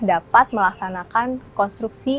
dapat melaksanakan konstruksi